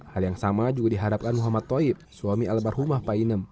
hal yang sama juga dihadapkan muhammad toib suami al bahrumah pak inem